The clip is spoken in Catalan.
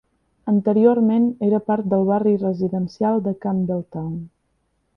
Anteriorment era part del barri residencial de Campbelltown.